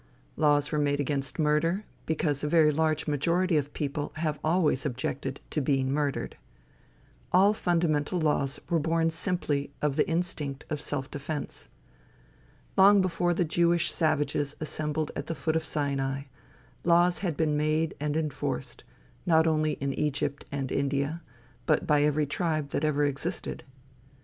Laws were made against murder, because a very large majority of the people have always objected to being murdered. All fundamental laws were born simply of the instinct of self defence. Long before the Jewish savages assembled at the foot of Sinai, laws had been made and enforced, not only in Egypt and India, but by every tribe that ever existed.